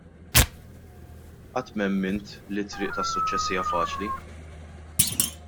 Qatt m'emmint li t-triq tas-suċċess hija faċli.